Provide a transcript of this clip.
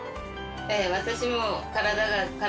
私も。